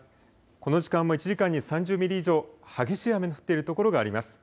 この時間も１時間に３０ミリ以上、激しい雨の降っている所があります。